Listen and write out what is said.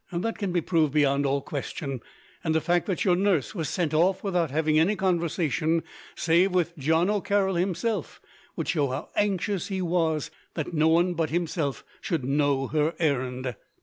That can be proved beyond all question; and the fact that your nurse was sent off without having any conversation save with John O'Carroll himself, would show how anxious he was that no one but himself should know her errand.